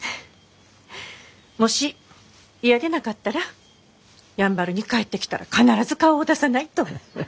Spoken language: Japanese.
もし嫌でなかったらやんばるに帰ってきたら必ず顔を出さないと。